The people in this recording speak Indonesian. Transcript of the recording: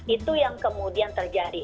itu yang kemudian terjadi